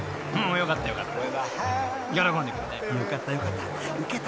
［よかったよかった。